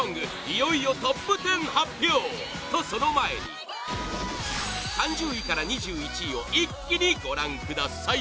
いよいよトップ１０発表！と、その前に３０位から２１位を一気にご覧ください